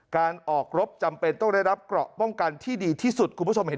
การออกรบจำเป็นต้องได้รับเกราะป้องกันที่ดีที่สุด